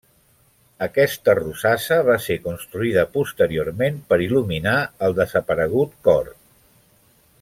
Aquesta rosassa va ser construïda posteriorment per il·luminar el desaparegut cor.